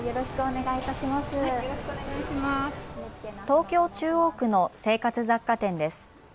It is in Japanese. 東京中央区の生活雑貨店です。